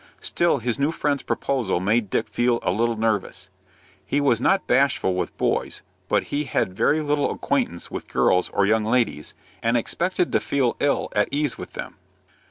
Still his new friend's proposal made Dick feel a little nervous. He was not bashful with boys, but he had very little acquaintance with girls or young ladies, and expected to feel ill at ease with them.